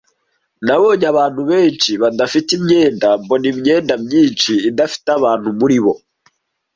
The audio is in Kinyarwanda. Nabonye abantu benshi badafite imyenda mbona imyenda myinshi idafite abantu muri bo.